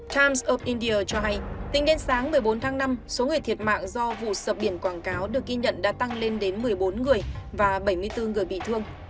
times op india cho hay tính đến sáng một mươi bốn tháng năm số người thiệt mạng do vụ sập biển quảng cáo được ghi nhận đã tăng lên đến một mươi bốn người và bảy mươi bốn người bị thương